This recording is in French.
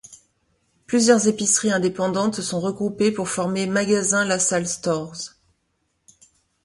Plusieurs épiceries indépendantes se sont regroupées pour former Magasins Lasalle Stores.